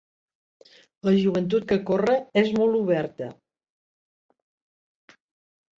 La joventut que corre és molt oberta.